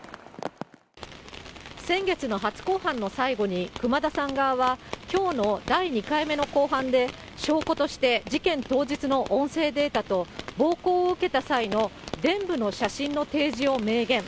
先月の初公判の最後に、熊田さん側は、きょうの第２回目の公判で、証拠として事件当日の音声データと、暴行を受けた際のでん部の写真の提示を明言。